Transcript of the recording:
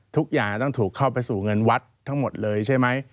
ทุกอย่างต้องถูกเข้าไปสู่เงินวัดทั้งหมดเลยใช่ไหม